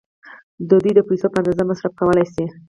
دوی د پیسو په اندازه مصرف کولای شي.